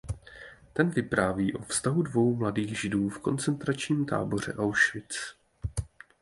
Ten vypráví o vztahu dvou mladých Židů v koncentračním táboře Auschwitz.